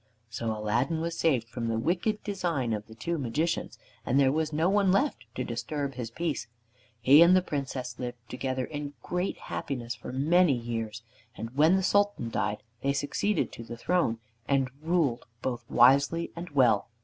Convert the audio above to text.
So Aladdin was saved from the wicked design of the two Magicians, and there was no one left to disturb his peace. He and the Princess lived together in great happiness for many years, and when the Sultan died they succeeded to the throne, and ruled both wisely and well.